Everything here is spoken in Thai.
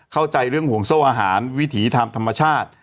เข้าใจเรื่องห่วงโซ่อาหารวิถีทางธรรมชาติ